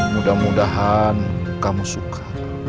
mudah mudahan kamu suka